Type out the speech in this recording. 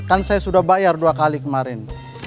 kan saya sudah bayar dua kali kemarin